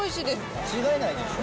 間違いないでしょ。